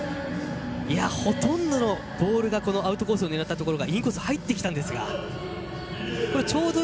ほとんどのボールがアウトコースを狙ったところインコースに入ってきました。